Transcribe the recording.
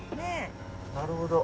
なるほど。